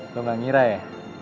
gua gak ngira ya